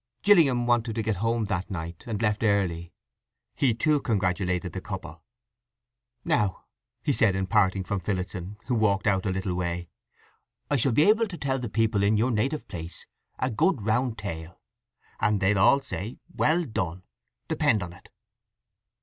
Gillingham wanted to get home that night, and left early. He, too, congratulated the couple. "Now," he said in parting from Phillotson, who walked out a little way, "I shall be able to tell the people in your native place a good round tale; and they'll all say 'Well done,' depend on it."